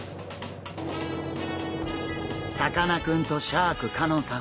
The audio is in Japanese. さかなクンとシャーク香音さん。